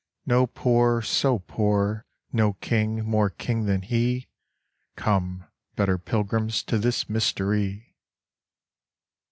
No poor so poor, no king more king than He: Come, better pilgrims, to this mystery.